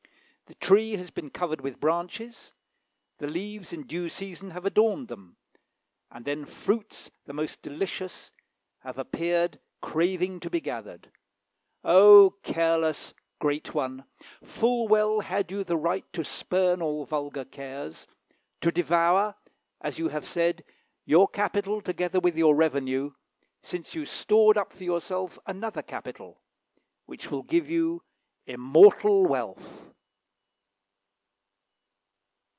The tree has been covered with branches, the leaves in due season have adorned them, and then fruits the most delicious have appeared craving to be gathered. Oh, careless great one! full well had you the right to spurn all vulgar cares; to devour, as you have said, your capital together with your revenue, since you stored up for yourself another capital, which will give you immortal wealth!